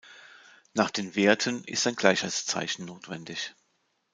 Nach den Werten ist ein Gleichheitszeichen notwendig.